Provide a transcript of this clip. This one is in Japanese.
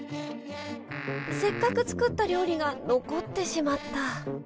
せっかく作った料理が残ってしまった。